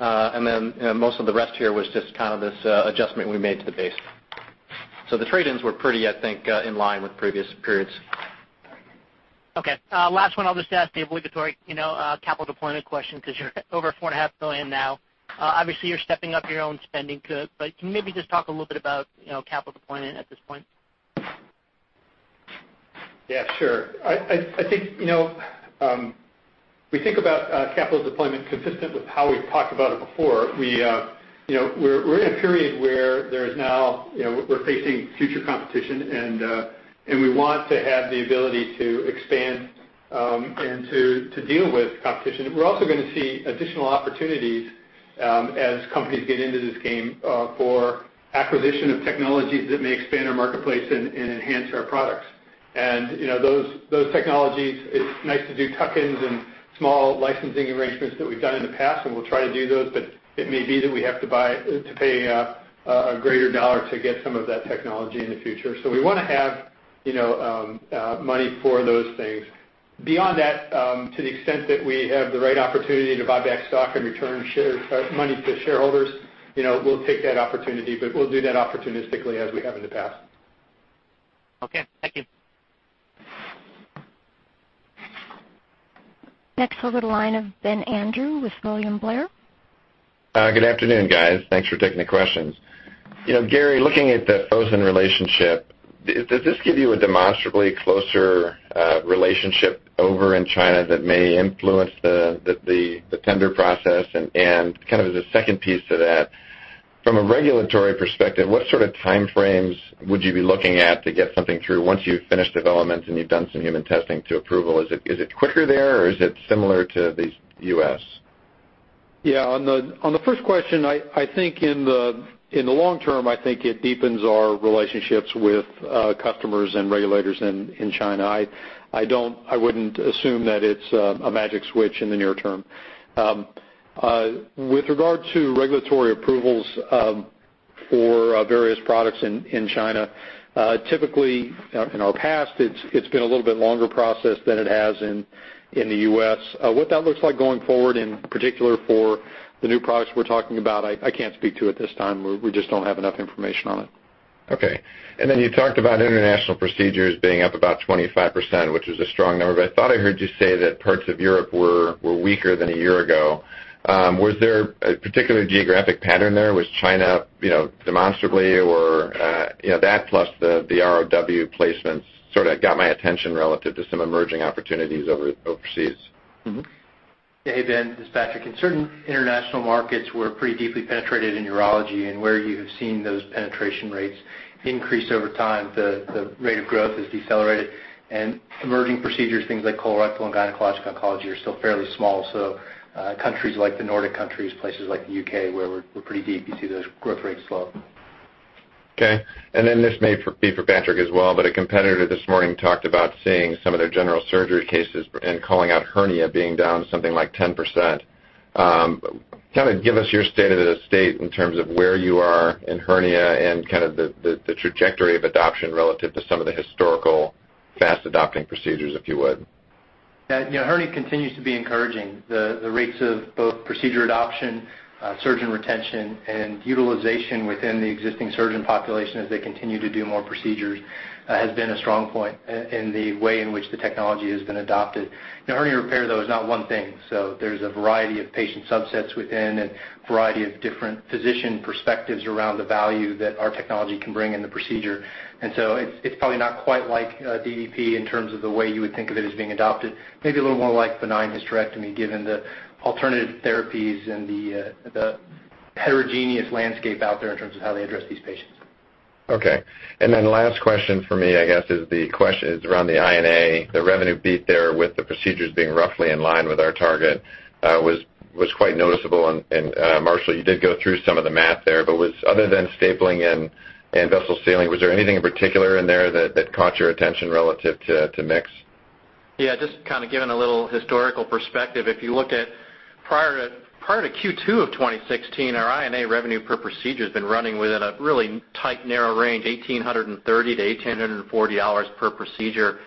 Most of the rest here was just kind of this adjustment we made to the base. The trade-ins were pretty, I think, in line with previous periods. Okay. Last one, I'll just ask the obligatory capital deployment question because you're over $4.5 billion now. Obviously, you're stepping up your own spending, can you maybe just talk a little bit about capital deployment at this point? Yeah, sure. We think about capital deployment consistent with how we've talked about it before. We're in a period where we're facing future competition, we want to have the ability to expand and to deal with competition. We're also going to see additional opportunities as companies get into this game for acquisition of technologies that may expand our marketplace and enhance our products. Those technologies, it's nice to do tuck-ins and small licensing arrangements that we've done in the past, and we'll try to do those, it may be that we have to pay a greater dollar to get some of that technology in the future. We want to have money for those things. Beyond that, to the extent that we have the right opportunity to buy back stock and return money to shareholders, we'll take that opportunity, but we'll do that opportunistically as we have in the past. Okay, thank you. Next, we'll go to the line of Ben Andrew with William Blair. Good afternoon, guys. Thanks for taking the questions. Gary, looking at the Fosun relationship, does this give you a demonstrably closer relationship over in China that may influence the tender process? Kind of as a second piece to that, from a regulatory perspective, what sort of time frames would you be looking at to get something through once you've finished development and you've done some human testing to approval? Is it quicker there, or is it similar to the U.S.? On the first question, I think in the long term, I think it deepens our relationships with customers and regulators in China. I wouldn't assume that it's a magic switch in the near term. With regard to regulatory approvals for various products in China, typically in our past, it's been a little bit longer process than it has in the U.S. What that looks like going forward, in particular for the new products we're talking about, I can't speak to at this time. We just don't have enough information on it. Okay. You talked about international procedures being up about 25%, which is a strong number, but I thought I heard you say that parts of Europe were weaker than a year ago. Was there a particular geographic pattern there? Was China demonstrably, or that plus the ROW placements sort of got my attention relative to some emerging opportunities overseas? Hey, Ben, this is Patrick. In certain international markets, we're pretty deeply penetrated in urology and where you have seen those penetration rates increase over time, the rate of growth has decelerated. Emerging procedures, things like colorectal and gynecologic oncology are still fairly small. Countries like the Nordic countries, places like the U.K., where we're pretty deep, you see those growth rates slow. Okay. This may be for Patrick as well, a competitor this morning talked about seeing some of their general surgery cases and calling out hernia being down something like 10%. Kind of give us your state of the state in terms of where you are in hernia and kind of the trajectory of adoption relative to some of the historical fast-adopting procedures, if you would. Yeah. Hernia continues to be encouraging. The rates of both procedure adoption, surgeon retention, and utilization within the existing surgeon population as they continue to do more procedures has been a strong point in the way in which the technology has been adopted. Hernia repair, though, is not one thing. There's a variety of patient subsets within, and variety of different physician perspectives around the value that our technology can bring in the procedure. It's probably not quite like DVP in terms of the way you would think of it as being adopted. Maybe a little more like benign hysterectomy, given the alternative therapies and the heterogeneous landscape out there in terms of how they address these patients. Okay. Last question from me, I guess, is the question is around the INA. The revenue beat there with the procedures being roughly in line with our target was quite noticeable. Marshall, you did go through some of the math there, but other than stapling and vessel sealing, was there anything in particular in there that caught your attention relative to mix? Yeah, just kind of giving a little historical perspective. If you look at prior to Q2 of 2016, our INA revenue per procedure has been running within a really tight, narrow range, $1,830-$1,840 per procedure.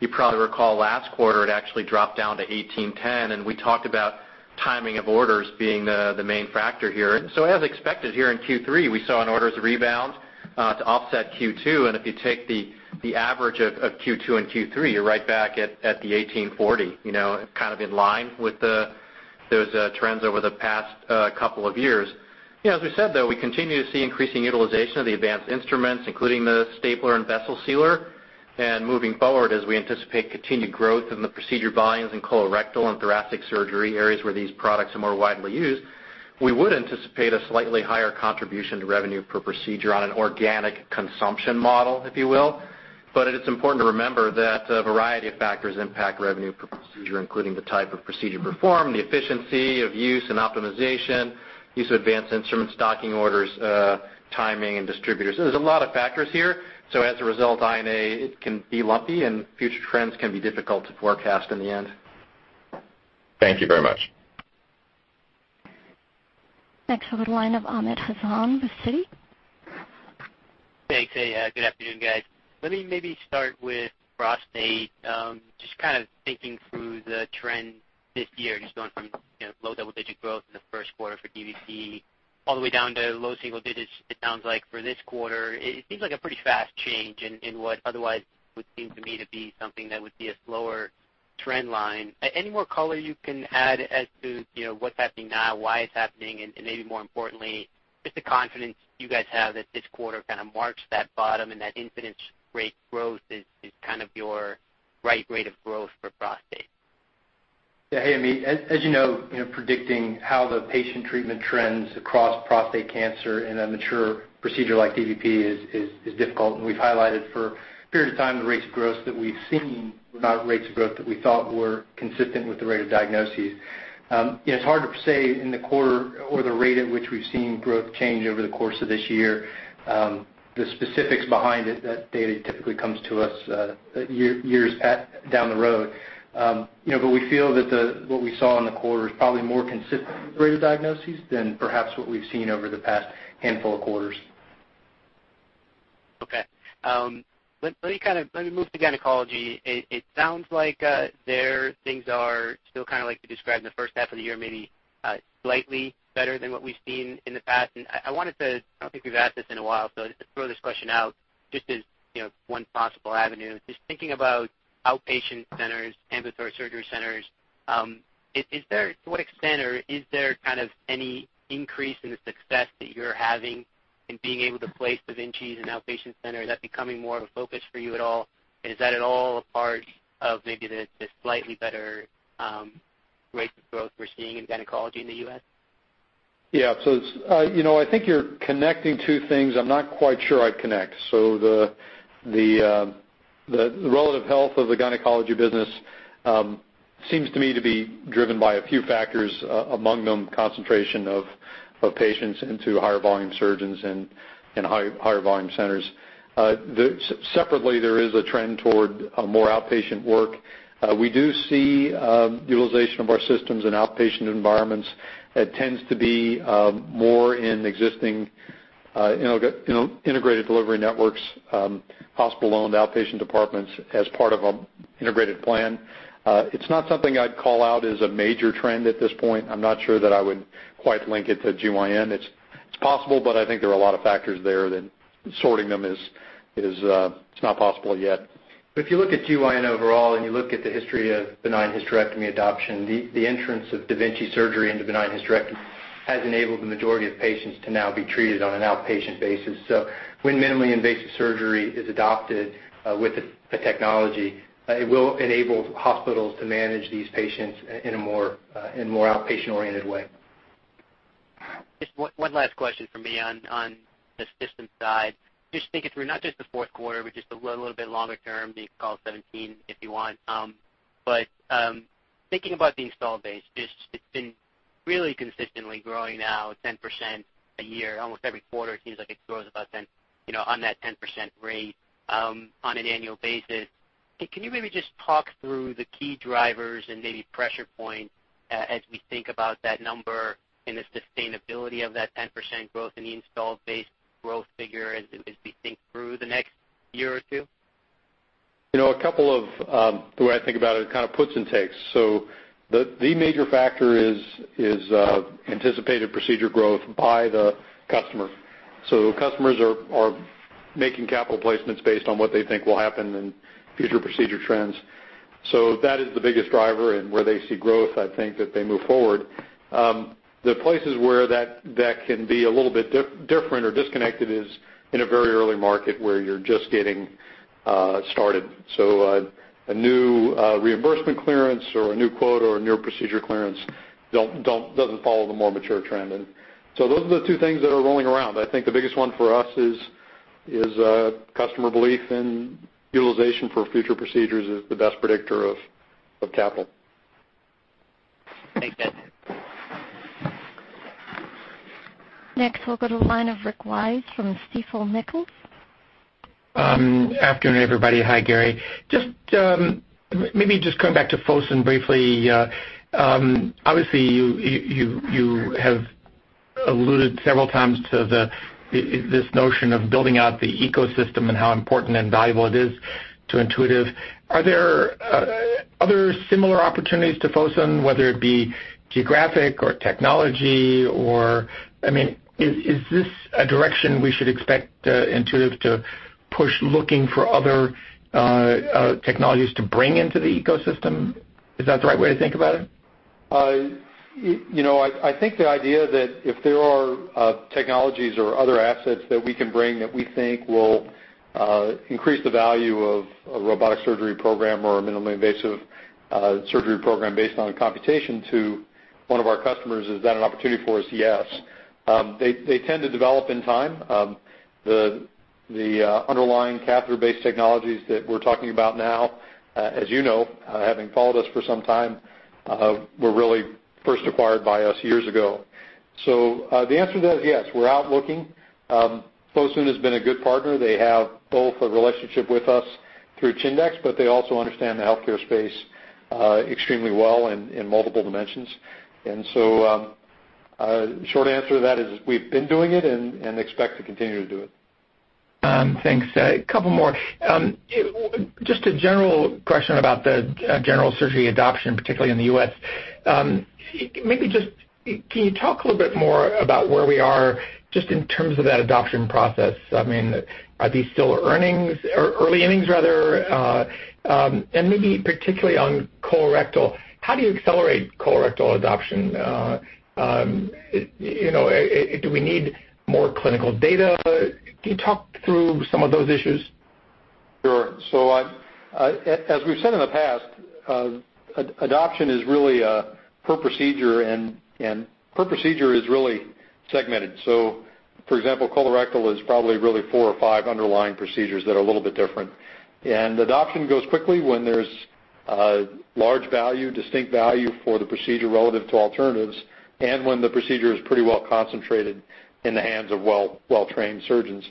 You probably recall last quarter it actually dropped down to $1,810. We talked about timing of orders being the main factor here. As expected here in Q3, we saw an orders rebound to offset Q2. If you take the average of Q2 and Q3, you're right back at the $1,840, kind of in line with those trends over the past two years. As we said, though, we continue to see increasing utilization of the advanced instruments, including the stapler and vessel sealer. Moving forward, as we anticipate continued growth in the procedure volumes in colorectal and thoracic surgery, areas where these products are more widely used, we would anticipate a slightly higher contribution to revenue per procedure on an organic consumption model, if you will. It's important to remember that a variety of factors impact revenue per procedure, including the type of procedure performed, the efficiency of use and optimization, use of advanced instruments, stocking orders, timing, and distributors. There's a lot of factors here. As a result, INA can be lumpy, and future trends can be difficult to forecast in the end. Thank you very much. Over to the line of Amit Hazan, with Citi. Thanks. Good afternoon, guys. Let me maybe start with prostate. Just kind of thinking through the trend this year, just going from low double-digit growth in the first quarter for DVP, all the way down to low single digits, it sounds like, for this quarter. It seems like a pretty fast change in what otherwise would seem to me to be something that would be a slower trend line. Any more color you can add as to what's happening now, why it's happening, and maybe more importantly, just the confidence you guys have that this quarter kind of marks that bottom and that incidence rate growth is kind of your right rate of growth for prostate? Yeah. Hey, Amit. As you know, predicting how the patient treatment trends across prostate cancer in a mature procedure like DVP is difficult. We've highlighted for a period of time the rates of growth that we've seen were not rates of growth that we thought were consistent with the rate of diagnoses. It's hard to say in the quarter or the rate at which we've seen growth change over the course of this year. The specifics behind it, that data typically comes to us years down the road. We feel that what we saw in the quarter is probably more consistent with the rate of diagnoses than perhaps what we've seen over the past handful of quarters. Okay. Let me move to gynecology. It sounds like there things are still kind of like you described in the first half of the year, maybe slightly better than what we've seen in the past. I don't think we've asked this in a while, so just to throw this question out, just as one possible avenue. Just thinking about outpatient centers, ambulatory surgery centers, to what extent or is there kind of any increase in the success that you're having in being able to place da Vincis in outpatient centers? Is that becoming more of a focus for you at all? Is that at all a part of maybe the slightly better rates of growth we're seeing in gynecology in the U.S.? Yeah. I think you're connecting two things I'm not quite sure I'd connect. The relative health of the gynecology business seems to me to be driven by a few factors, among them concentration of patients into higher volume surgeons and higher volume centers. Separately, there is a trend toward more outpatient work. We do see utilization of our systems in outpatient environments that tends to be more in existing integrated delivery networks, hospital-owned outpatient departments as part of an integrated plan. It's not something I'd call out as a major trend at this point. I'm not sure that I would quite link it to GYN. It's possible, I think there are a lot of factors there that sorting them is not possible yet. If you look at GYN overall and you look at the history of benign hysterectomy adoption, the entrance of da Vinci surgery into benign hysterectomy has enabled the majority of patients to now be treated on an outpatient basis. When minimally invasive surgery is adopted with the technology, it will enable hospitals to manage these patients in a more outpatient-oriented way. Just one last question from me on the systems side. Just thinking through not just the fourth quarter, but just a little bit longer term, maybe call it 2017 if you want. Thinking about the install base, it's been really consistently growing now 10% a year. Almost every quarter it seems like it grows on that 10% rate on an annual basis. Can you maybe just talk through the key drivers and maybe pressure points as we think about that number and the sustainability of that 10% growth in the installed base growth figure as we think through the next year or two? A couple of the way I think about it, kind of puts and takes. The major factor is anticipated procedure growth by the customer. Customers are making capital placements based on what they think will happen in future procedure trends. That is the biggest driver and where they see growth, I think that they move forward. The places where that can be a little bit different or disconnected is in a very early market where you're just getting started. A new reimbursement clearance or a new quota or a new procedure clearance doesn't follow the more mature trend. Those are the two things that are rolling around. I think the biggest one for us is customer belief in utilization for future procedures is the best predictor of capital. Thanks, Gary. Next, we'll go to the line of Rick Wise from Stifel Nicolaus. Afternoon, everybody. Hi, Gary. Just maybe just coming back to Fosun briefly. Obviously, you have alluded several times to this notion of building out the ecosystem and how important and valuable it is to Intuitive. Are there other similar opportunities to Fosun, whether it be geographic or technology, or is this a direction we should expect Intuitive to push, looking for other technologies to bring into the ecosystem? Is that the right way to think about it? I think the idea that if there are technologies or other assets that we can bring that we think will increase the value of a robotic surgery program or a minimally invasive surgery program based on computation to one of our customers, is that an opportunity for us? Yes. They tend to develop in time. The underlying catheter-based technologies that we're talking about now, as you know, having followed us for some time, were really first acquired by us years ago. The answer to that is yes, we're out looking. Fosun has been a good partner. They have both a relationship with us through Tyndall, but they also understand the healthcare space extremely well in multiple dimensions. Short answer to that is we've been doing it and expect to continue to do it. Thanks. A couple more. Just a general question about the general surgery adoption, particularly in the U.S. Maybe just can you talk a little bit more about where we are just in terms of that adoption process? Are these still earnings or early innings rather? Particularly on colorectal, how do you accelerate colorectal adoption? Do we need more clinical data? Can you talk through some of those issues? Sure. As we've said in the past, adoption is really per procedure, per procedure is really segmented. For example, colorectal is probably really four or five underlying procedures that are a little bit different. Adoption goes quickly when there's a large value, distinct value for the procedure relative to alternatives, and when the procedure is pretty well concentrated in the hands of well-trained surgeons.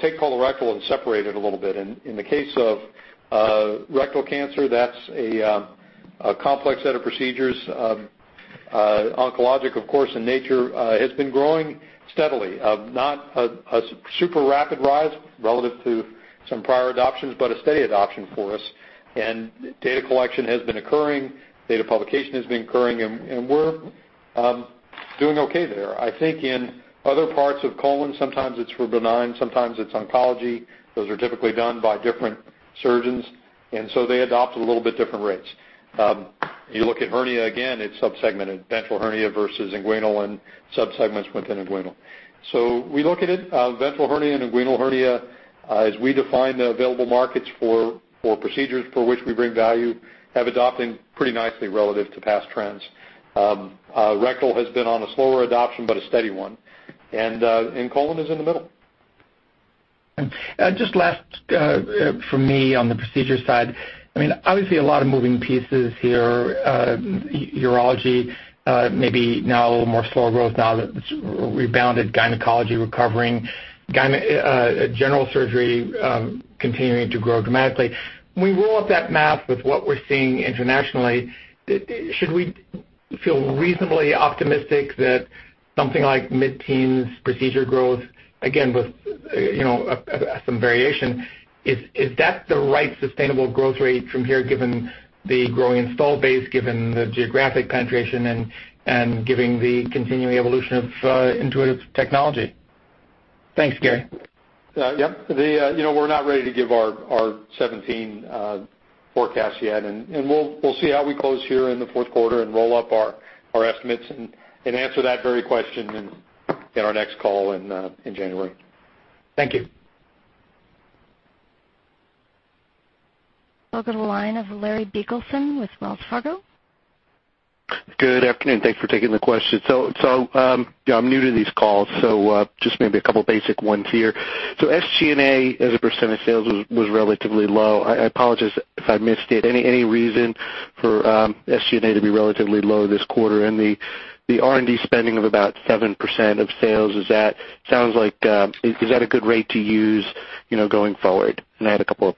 Take colorectal and separate it a little bit. In the case of rectal cancer, that's a complex set of procedures. Oncologic, of course, in nature has been growing steadily, not a super rapid rise relative to some prior adoptions, but a steady adoption for us. Data collection has been occurring, data publication has been occurring, and we're doing okay there. I think in other parts of colon, sometimes it's for benign, sometimes it's oncology. Those are typically done by different surgeons, they adopt at a little bit different rates. You look at hernia again, it's sub-segmented. Ventral hernia versus inguinal and sub-segments within inguinal. We look at it, ventral hernia and inguinal hernia as we define the available markets for procedures for which we bring value, have adopted pretty nicely relative to past trends. Rectal has been on a slower adoption, but a steady one, and colon is in the middle. Just last from me on the procedure side, obviously a lot of moving pieces here. Urology maybe now a little more slow growth now that it's rebounded. Gynecology recovering. General surgery continuing to grow dramatically. When we roll up that math with what we're seeing internationally, should we feel reasonably optimistic that something like mid-teens procedure growth, again, with some variation, is that the right sustainable growth rate from here given the growing installed base, given the geographic penetration, and given the continuing evolution of Intuitive technology? Thanks, Gary. Yep. We're not ready to give our 2017 forecast yet. We'll see how we close here in the fourth quarter and roll up our estimates and answer that very question in our next call in January. Thank you. We'll go to the line of Larry Biegelsen with Wells Fargo. Good afternoon. Thanks for taking the question. I'm new to these calls, just maybe a couple of basic ones here. SG&A as a percent of sales was relatively low. I apologize if I missed it. Any reason for SG&A to be relatively low this quarter? The R&D spending of about 7% of sales, is that a good rate to use going forward? I had a couple of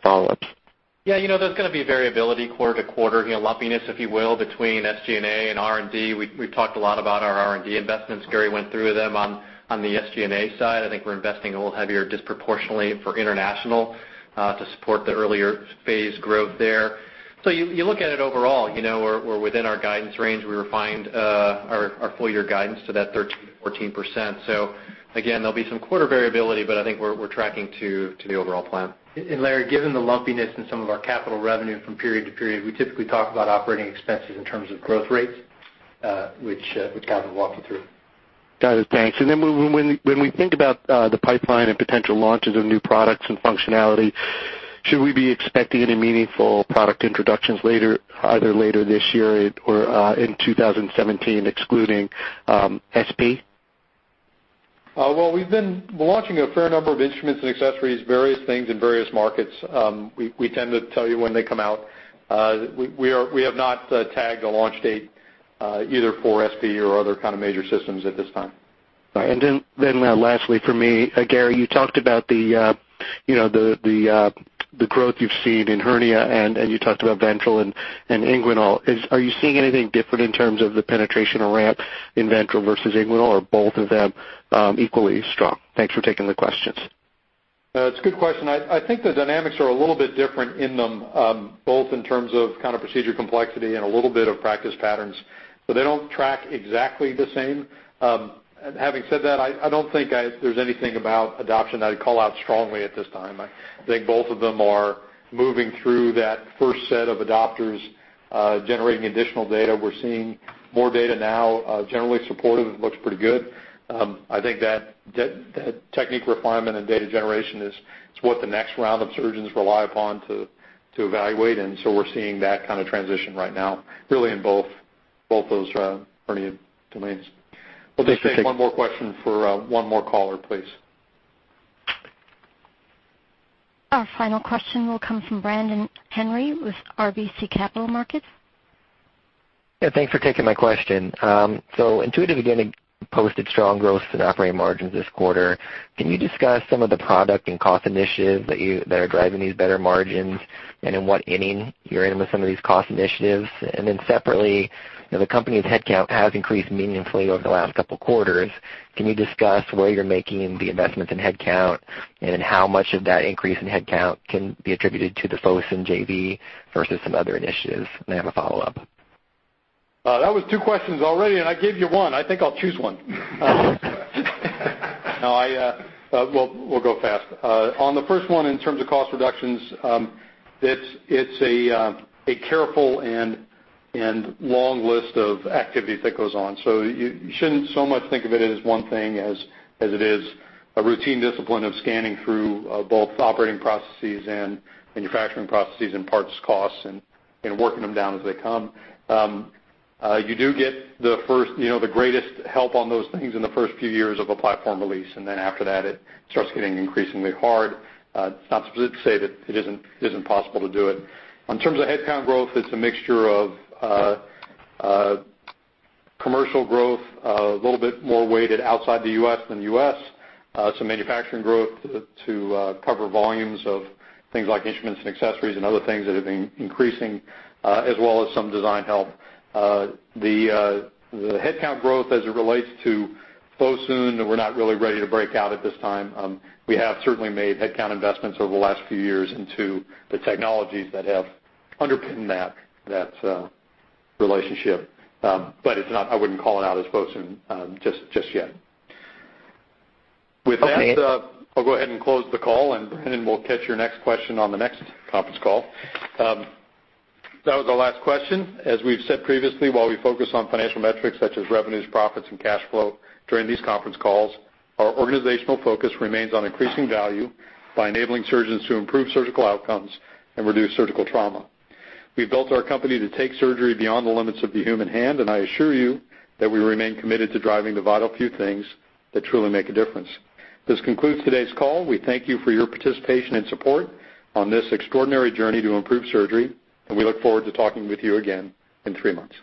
follow-ups. There's going to be variability quarter to quarter, lumpiness, if you will, between SG&A and R&D. We've talked a lot about our R&D investments. Gary went through them on the SG&A side. I think we're investing a little heavier disproportionately for international to support the earlier phase growth there. You look at it overall, we're within our guidance range. We refined our full year guidance to that 13%-14%. Again, there'll be some quarter variability, but I think we're tracking to the overall plan. Larry, given the lumpiness in some of our capital revenue from period to period, we typically talk about operating expenses in terms of growth rates, which Calvin will walk you through. Got it. Thanks. When we think about the pipeline and potential launches of new products and functionality, should we be expecting any meaningful product introductions either later this year or in 2017, excluding SP? Well, we've been launching a fair number of instruments and accessories, various things in various markets. We tend to tell you when they come out. We have not tagged a launch date either for SP or other kind of major systems at this time. All right. Lastly from me, Gary, you talked about the growth you've seen in Hernia, and you talked about ventral and inguinal. Are you seeing anything different in terms of the penetration or ramp in ventral versus inguinal, or are both of them equally strong? Thanks for taking the questions. It's a good question. I think the dynamics are a little bit different in them, both in terms of procedure complexity and a little bit of practice patterns, so they don't track exactly the same. Having said that, I don't think there's anything about adoption that I'd call out strongly at this time. I think both of them are moving through that first set of adopters, generating additional data. We're seeing more data now generally supportive. It looks pretty good. I think that technique refinement and data generation is what the next round of surgeons rely upon to evaluate, and so we're seeing that kind of transition right now, really in both those Hernia domains. We'll just take one more question for one more caller, please. Our final question will come from Brandon Henry with RBC Capital Markets. Thanks for taking my question. Intuitive again posted strong growth in operating margins this quarter. Can you discuss some of the product and cost initiatives that are driving these better margins, and in what inning you're in with some of these cost initiatives? Separately, the company's headcount has increased meaningfully over the last couple of quarters. Can you discuss where you're making the investments in headcount and how much of that increase in headcount can be attributed to the Fosun JV versus some other initiatives? I have a follow-up. That was two questions already, and I gave you one. I think I'll choose one. We'll go fast. On the first one, in terms of cost reductions, it's a careful and long list of activity that goes on. You shouldn't so much think of it as one thing as it is a routine discipline of scanning through both operating processes and manufacturing processes and parts costs and working them down as they come. You do get the greatest help on those things in the first few years of a platform release, after that, it starts getting increasingly hard. That's not to say that it isn't possible to do it. In terms of headcount growth, it's a mixture of commercial growth, a little bit more weighted outside the U.S. than U.S., some manufacturing growth to cover volumes of things like instruments and accessories and other things that have been increasing, as well as some design help. The headcount growth as it relates to Fosun, we're not really ready to break out at this time. We have certainly made headcount investments over the last few years into the technologies that have underpinned that relationship. I wouldn't call it out as Fosun just yet. With that, I'll go ahead and close the call, Brandon, we'll catch your next question on the next conference call. That was our last question. As we've said previously, while we focus on financial metrics such as revenues, profits, and cash flow during these conference calls, our organizational focus remains on increasing value by enabling surgeons to improve surgical outcomes and reduce surgical trauma. We've built our company to take surgery beyond the limits of the human hand, I assure you that we remain committed to driving the vital few things that truly make a difference. This concludes today's call. We thank you for your participation and support on this extraordinary journey to improve surgery, we look forward to talking with you again in three months.